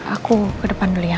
aku ke depan dulu ya